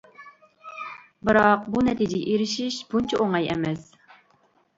بىراق بۇ نەتىجىگە ئېرىشىش بۇنچە ئوڭاي ئەمەس.